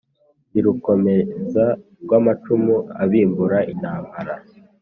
ndi rukomeza rw' amacumu abimbura intambara